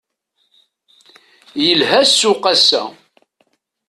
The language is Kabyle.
Yelha ssuq ass-a.